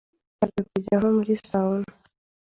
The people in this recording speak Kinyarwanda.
Birabujijwe kujya nko muri Sauna